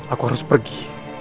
aku harus pergi